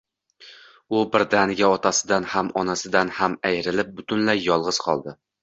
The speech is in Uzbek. U birdaniga otasidan ham, onasidan ham ayrilib, butunlay yolg`iz qoldi